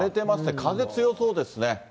風強そうですね。